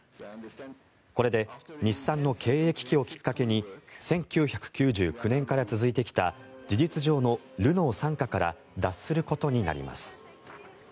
これで日産の経営危機をきっかけに１９９９年から続いてきた事実上のルノー傘下から脱することになります。